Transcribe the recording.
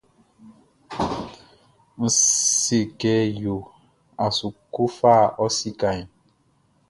N se kɛ yo a su kɔ fa ɔ sikaʼn?